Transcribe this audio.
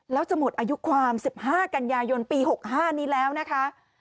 แล้วจะหมดอายุความ๑๕กันยายนปี๖๕นี้แล้วนะคะ